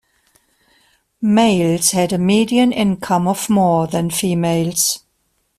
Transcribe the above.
Males had a median income of more than females.